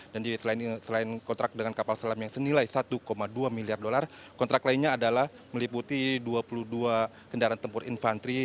dan selain kontrak dengan kapas selam yang senilai satu dua miliar dolar kontrak lainnya adalah meliputi dua puluh dua kendaraan tempur infantri